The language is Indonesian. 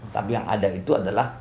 tapi yang ada itu adalah